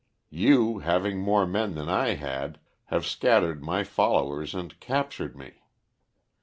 You, having more men than I had, have scattered my followers and captured me.